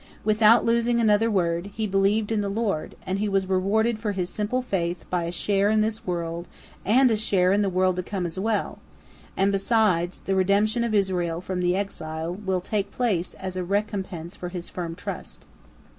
Without losing another word, he believed in the Lord, and he was rewarded for his simple faith by a share in this world and a share in the world to come as well, and, besides, the redemption of Israel from the exile will take place as a recompense for his firm trust.